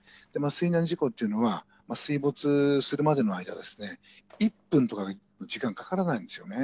水難事故っていうのは、水没するまでの間、１分とか時間かからないんですよね。